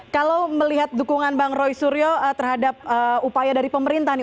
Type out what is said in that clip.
kalau melihat dukungan bang roy suryo terhadap upaya dari pemerintah nih